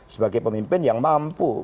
sebagai pemimpin yang mampu